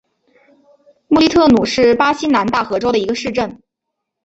穆利特努是巴西南大河州的一个市镇。